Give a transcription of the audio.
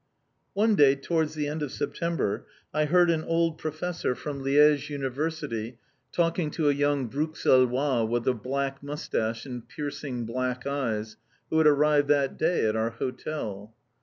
One day, towards the end of September, I heard an old professor from Liège University talking to a young Bruxellois with a black moustache and piercing black eyes, who had arrived that day at our hotel.